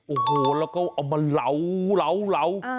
โอ้โหแล้วก็เอามาเหลา